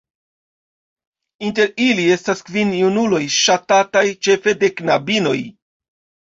Inter ili estis kvin junuloj ŝatataj ĉefe de knabinoj.